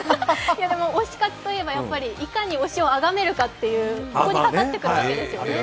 でも、推し活といえば、いかに推しをあがめるかにかかっているわけですよね。